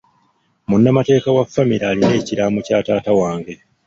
Munnamateeka wa famire alina ekiraamo kya taata wange.